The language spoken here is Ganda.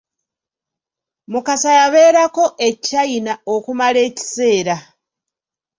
Mukasa yabeerako e China okumala ekiseera.